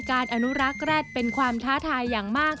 อนุรักษ์แร็ดเป็นความท้าทายอย่างมาก